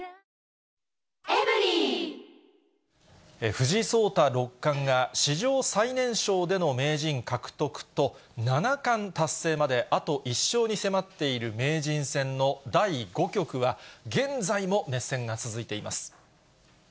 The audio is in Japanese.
藤井聡太六冠が、史上最年少での名人獲得と、七冠達成まであと１勝に迫っている名人戦の第５局は、現在も熱戦が続いています。